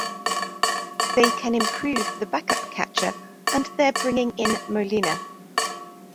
They can improve the backup catcher and they're bringing in Molina.